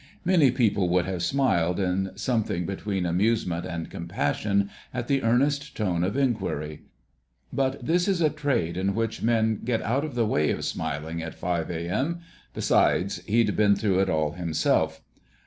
Many people would have smiled in something between amusement and compassion at the earnest tone of inquiry. But this is a trade in which men get out of the way of smiling at 5 A.M.—besides, he'd been through it all himself.